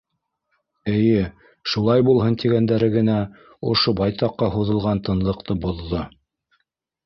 — Эйе, шулай булһын! — тигәндәре генә ошо байтаҡҡа һуҙылған тынлыҡты боҙҙо.